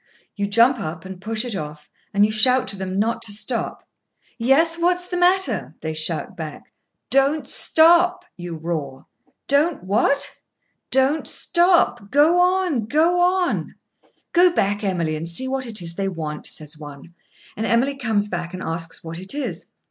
You jump up, and push it off, and you shout to them not to stop. "Yes. What's the matter?" they shout back. "Don't stop," you roar. "Don't what?" "Don't stop—go on—go on!" "Go back, Emily, and see what it is they want," says one; and Emily comes back, and asks what it is.